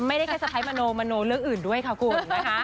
ไม่ได้แค่สะพ้ายมโนมโนเรื่องอื่นด้วยค่ะคุณนะคะ